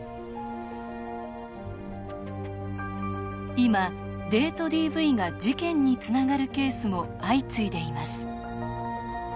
今、デートＤＶが事件につながるケースも相次いでいます。